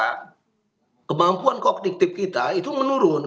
kemampuan kognitif kita itu menurut saya kemampuan kognitif kita itu menurut saya